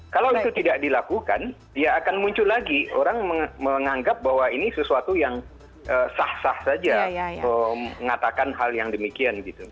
kalau itu tidak dilakukan ya akan muncul lagi orang menganggap bahwa ini sesuatu yang sah sah saja mengatakan hal yang demikian gitu